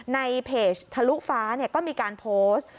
ในเพจทะลุฟ้าก็มีการโพสต์